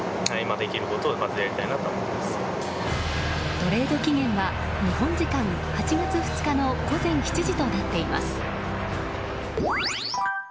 トレード期限は日本時間８月２日の午前７時となっています。